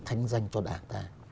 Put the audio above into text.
thanh danh cho đảng ta